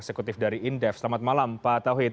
eksekutif dari indef selamat malam pak tauhid